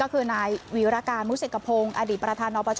ก็คือนายวีรการมุสิกพงศ์อดีตประธานนปช